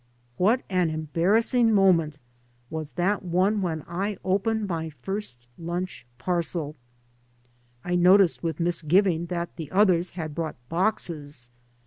What an embarrassing moment was that one when I opened my first lunch parcel I I noticed with misgiving that the others had brought boxes.